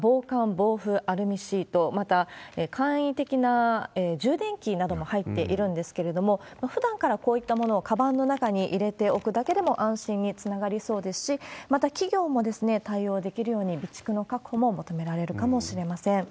・暴風アルミシート、また、簡易的な充電器なども入っているんですけれども、ふだんからこういったものをかばんの中に入れておくだけでも安心につながりそうですし、また、企業も対応できるように、備蓄の確保も求められるかもしれません。